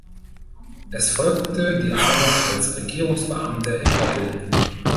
Es folgte die Arbeit als Regierungsbeamter in Oppeln.